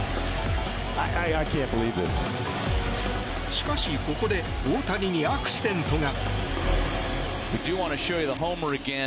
しかし、ここで大谷にアクシデントが。